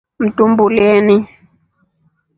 Mtuumbulyeni.